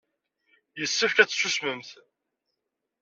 Yessefk ad tsusmemt.